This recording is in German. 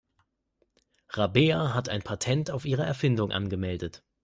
Rabea hat ein Patent auf ihre Erfindung angemeldet.